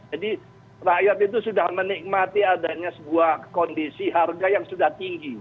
jadi rakyat itu sudah menikmati adanya sebuah kondisi harga yang sudah tinggi